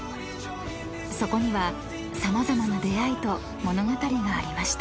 ［そこには様々な出会いと物語がありました］